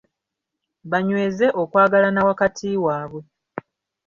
Banyweze okwagalana wakati waabwe.